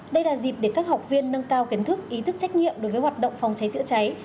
đây là dịp để các học viên nâng cao kiến thức ý thức trách nhiệm đối với hoạt động phòng cháy chữa cháy